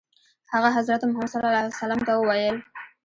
هغه حضرت محمد صلی الله علیه وسلم ته وویل.